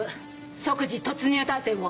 即時突入態勢を。